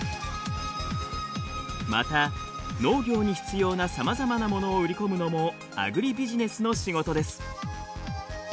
また農業に必要なさまざまなものを売り込むのもアグリビジネスの仕事です。